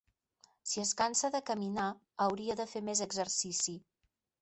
Si es cansa de caminar hauria de fer més exercici.